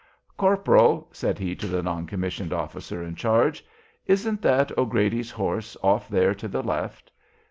"Corporal," said he to the non commissioned officer in charge, "isn't that O'Grady's horse off there to the left?"